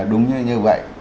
đúng như vậy